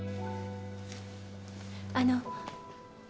あの。